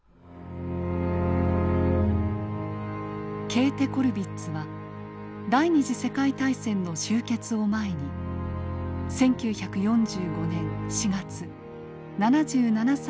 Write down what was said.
ケーテ・コルヴィッツは第二次世界大戦の終結を前に１９４５年４月７７歳で亡くなります。